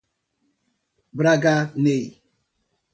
Braganey